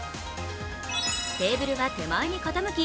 テーブルは手前に傾き